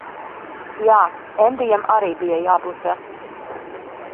Jā. Endijam arī bija jābloķē.